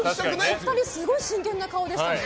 すごい真剣な顔でしたね。